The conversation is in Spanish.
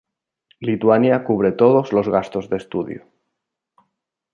Lituania cubre todos los gastos de estudio.